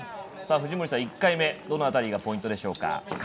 藤森さん、１回目どのあたりがポイントでしょうか？